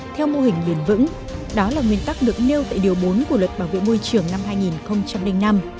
theo mô hình bền vững đó là nguyên tắc được nêu tại điều bốn của luật bảo vệ môi trường năm hai nghìn năm